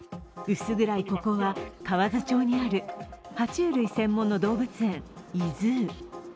薄暗いここは河津町にある爬虫類専門の動物園、ｉＺｏｏ。